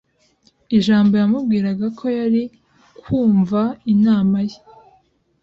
ijambo yamubwiraga ko yari kwumva inama ye